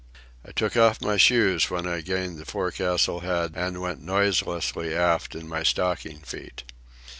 I took off my shoes when I gained the forecastle head, and went noiselessly aft in my stocking feet.